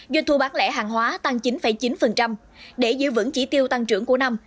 doanh thu bán lẻ hàng hóa tăng chín chín để giữ vững chỉ tiêu tăng trưởng của năm